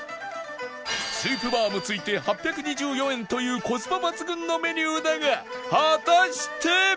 スープバーも付いて８２４円というコスパ抜群のメニューだが果たして